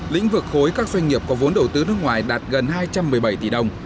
lĩnh vực khối các doanh nghiệp có vốn đầu tư nước ngoài đạt gần hai trăm một mươi bảy tỷ đồng